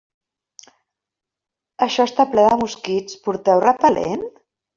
Això està ple de mosquits, porteu repel·lent?